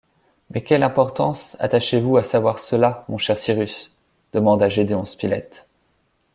Mais quelle importance attachez-vous à savoir cela, mon cher Cyrus ? demanda Gédéon Spilett